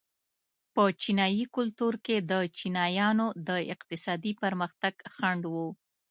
په چینايي کلتور کې د چینایانو د اقتصادي پرمختګ خنډ و.